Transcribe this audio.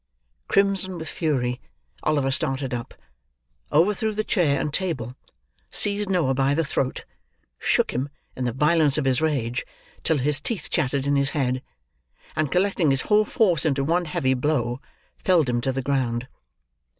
Crimson with fury, Oliver started up; overthrew the chair and table; seized Noah by the throat; shook him, in the violence of his rage, till his teeth chattered in his head; and collecting his whole force into one heavy blow, felled him to the ground.